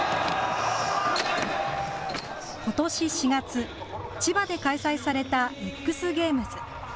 今年４月、千葉で開催されたＸゲームズ。